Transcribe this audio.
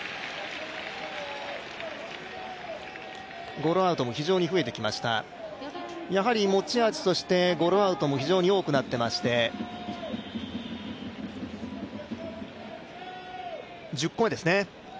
ゴロアウトも非常に増えてきました持ち味として、ゴロアウトも非常に多くなってまして１０個目ですね。